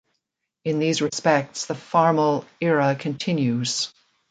In these respects, the Farmall era continues.